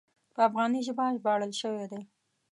په افغاني ژبه ژباړل شوی دی.